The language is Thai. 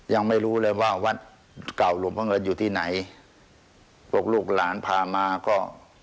ยังไม่รู้เลยว่าวัดเก่าหลวงพ่อเงินอยู่ที่ไหนบอกลูกหลานพามาก็